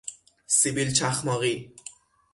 سبیل چخماقی